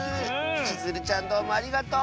ちづるちゃんどうもありがとう！